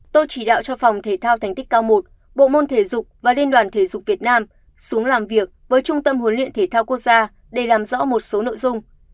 tôi chỉ đạo cho phòng thể thao thành tích cao một bộ môn thể dục và liên đoàn thể dục việt nam xuống làm việc với trung tâm huấn luyện thể thao quốc gia để làm rõ một số nội dung